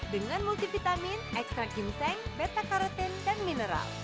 dengan multivitamin ekstrak ginseng beta karotin dan mineral